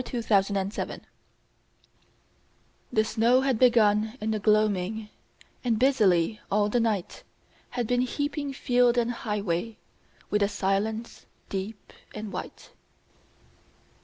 60 THE FIRST SNOW FALL The snow had begun in the gloaming, And busily all the night Had been heaping field and highway With a silence deep and white.